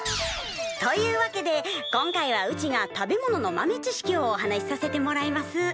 というわけで今回はうちが食べ物の豆知識をお話しさせてもらいます。